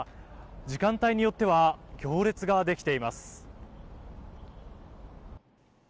時間帯によっては行列ができています。